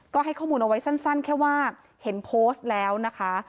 ก็ให้ข้อมูลเอาไว้สั้นแค่ว่าเห็นโพสต์แล้วนะคะ